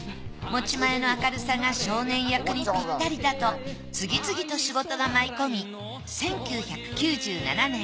持ち前の明るさが少年役にピッタリだと次々と仕事が舞い込み１９９７年